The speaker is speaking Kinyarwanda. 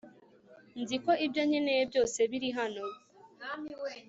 Nzi ko ibyo nkeneye byose biri hano